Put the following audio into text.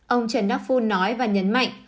ông trần đắc phu nói và nhấn mạnh